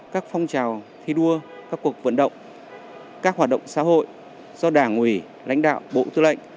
các phong trào thi đua các cuộc vận động các hoạt động xã hội do đảng ủy lãnh đạo bộ tư lệnh